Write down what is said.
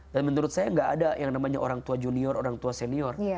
dan menurut saya gak ada yang namanya orang tua junior orang tua senior